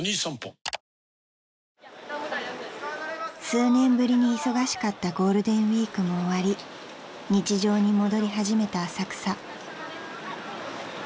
［数年ぶりに忙しかったゴールデンウイークも終わり日常に戻り始めた浅草］